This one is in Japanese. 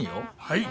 はい。